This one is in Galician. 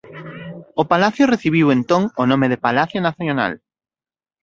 O Palacio recibiu entón o nome de Palacio Nacional.